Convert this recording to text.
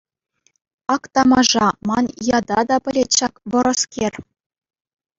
Ак тамаша, ман ята та пӗлет ҫак вӑрӑскер.